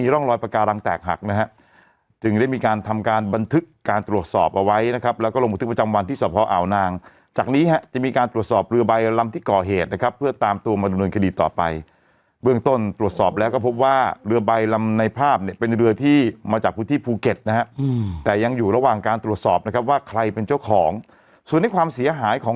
ตรวจสอบเอาไว้นะครับแล้วก็ลงบุตรประจำวันที่สอบพร้อมอ่าวนางจากนี้จะมีการตรวจสอบเรือใบลำที่ก่อเหตุนะครับเพื่อตามตัวมาดูเรื่องคดีต่อไปเบื้องต้นตรวจสอบแล้วก็พบว่าเรือใบลำในภาพเป็นเรือที่มาจากพูดที่ภูเก็ตนะครับแต่ยังอยู่ระหว่างการตรวจสอบนะครับว่าใครเป็นเจ้าของส่วนในความเสียหายข